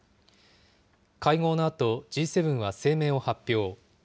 会合のあと、Ｇ７は声明を発表。